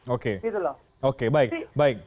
oke oke baik baik